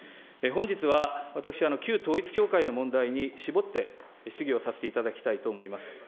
本日は私、旧統一教会の問題に絞って質疑をさせていただきたいと思います。